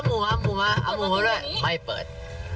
เอาหมูมาด้วยสิไม่เปิด